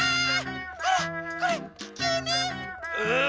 あらこれききゅうね！うん！